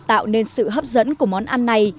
tạo nên sự hấp dẫn của món ăn này